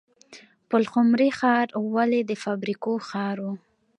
پلخمري ښار ولې د فابریکو ښار و؟